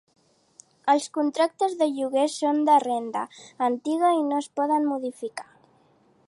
Els contractes de lloguer són de renda antiga i no es poden modificar.